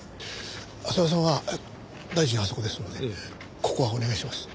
浅輪さんは大臣はあそこですのでここはお願いします。